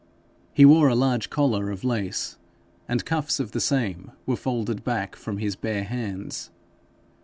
He wore a large collar of lace, and cuffs of the same were folded back from his bare hands.